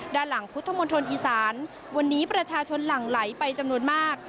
ด้านหลังพุทธมณฑลอีสานวันนี้ประชาชนหลั่งไหลไปจำนวนมาก